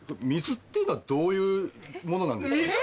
水っていうのはどういうものなんですか？